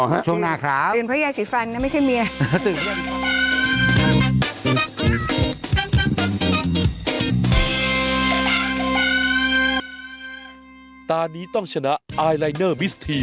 ตื่นเพราะอย่าฉีดฟันนะไม่ใช่เมีย